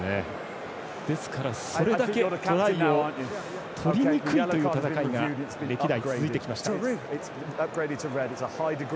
ですから、それだけトライを取りにくいという戦いが歴代続きました。